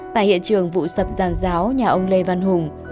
tại hiện trường vụ sập giàn giáo nhà ông lê văn hùng không có ai đến